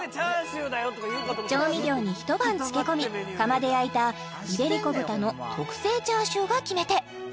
調味料に一晩漬け込み釜で焼いたイベリコ豚の特製叉焼が決め手